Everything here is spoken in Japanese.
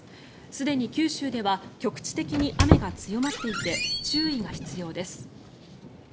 すでに九州では局地的に雨が強まっていて注意が必要です。